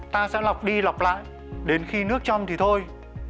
ta sẽ lọc đi lọc lại đến khi nước trong thì thôi